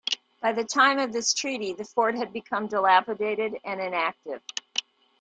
By the time of this treaty, the fort had become dilapidated and inactive.